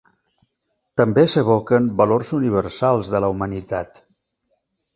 També s'evoquen valors universals de la humanitat.